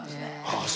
ああ